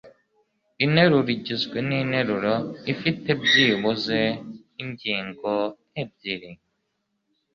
Interuro-igizwe ninteruro ifite byibuze ingingo ebyiri